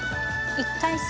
１回戦